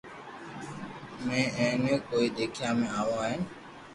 ھين اي ني ڪوئي ديکيا ۾ آوو ھين